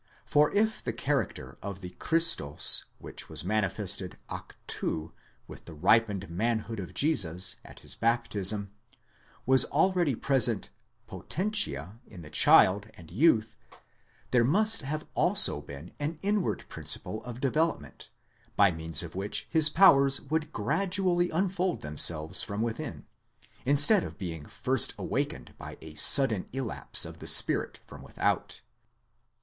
2 For if the character of the Χριστὸς which was manifested acti, with the ripened man hood of Jesus, at his baptism, was already present o/entié in the child and youth ; there must have also been an inward principle of development, by means of which his powers would gradually unfold themselves from within, instead of being first awakened by a sudden illapse of the Spirit from without.